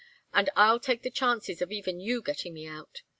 and I'll take the chances of even you getting me out.